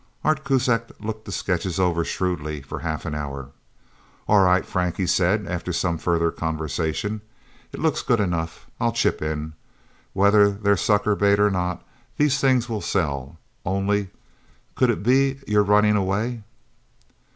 Art Kuzak looked the sketches over shrewdly for half an hour. "All right, Frank," he said after some further conversation. "It looks good enough. I'll chip in. Whether they're sucker bait or not, these things will sell. Only could it be you're running away?"